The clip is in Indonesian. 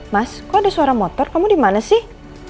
mas kok ada suara motor kamu dimana sih